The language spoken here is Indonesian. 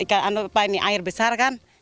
kalau ada kebakaran